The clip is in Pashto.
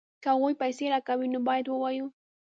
که هغوی پیسې راکوي نو باید ووایو